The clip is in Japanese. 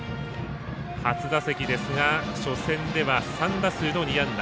初打席ですが初戦では３打数の２安打。